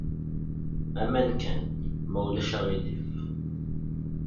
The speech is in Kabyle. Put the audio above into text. Aman kan, ma ulac aɣilif.